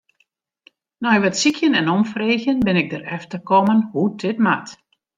Nei wat sykjen en omfreegjen bin ik derefter kommen hoe't dit moat.